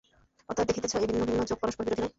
অতএব দেখিতেছ, এই ভিন্ন ভিন্ন যোগ পরস্পর-বিরোধী নয়।